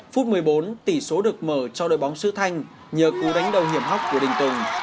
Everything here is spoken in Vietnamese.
phút một mươi bốn tỷ số được mở cho đội bóng sư thanh nhờ cú đánh đầu hiểm hóc của đình tùng